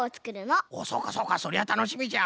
そうかそうかそりゃたのしみじゃ。